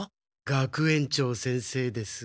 学園長先生です。